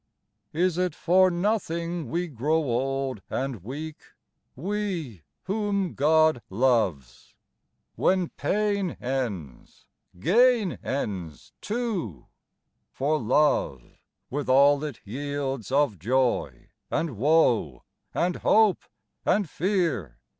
'Is it for nothing we grow old and weak, We whom God loyes? When pain ends, gain ends too, For love, with all it yields of joy and woe And hope and fear